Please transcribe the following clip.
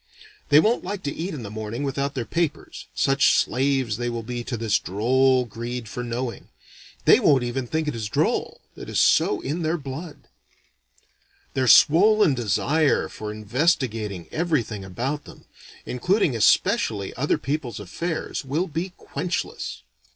They won't like to eat in the morning without their papers, such slaves they will be to this droll greed for knowing. They won't even think it is droll, it is so in their blood. Their swollen desire for investigating everything about them, including especially other people's affairs, will be quenchless.